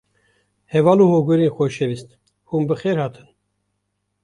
Heval û Hogirên Xoşewîst, hûn bi xêr hatin